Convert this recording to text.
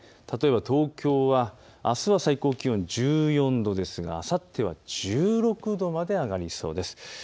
例えば東京はあすは最高気温１４度ですがあさっては１６度まで上がりそうです。